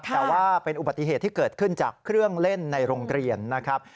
แต่ว่าเป็นอุบัติเหตุที่เกิดขึ้นจากเครื่องเล่นในโรงเรียนนะครับ